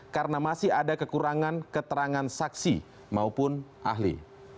karena masih ada kekurangan keterangan saksi maupun ahli